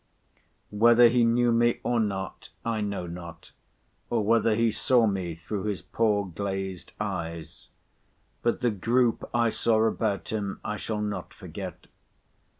Whether he knew me or not, I know not, or whether he saw me through his poor glazed eyes; but the group I saw about him I shall not forget.